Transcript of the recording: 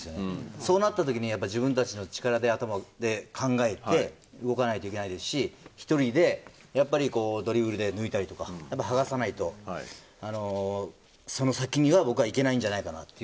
そうなった時に、自分たちの力で頭で考えて動かないといけないですし１人でドリブルで抜いたり剥がさないとその先には僕は行けないんじゃないかなと。